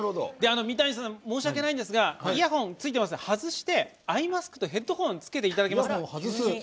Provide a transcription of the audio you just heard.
三谷さん申し訳ないんですがイヤホンを外して、アイマスクとヘッドホン着けていただけますか。